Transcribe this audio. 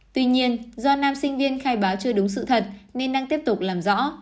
tuy nhiên do nam sinh viên khai báo chưa đúng sự thật nên đang tiếp tục làm rõ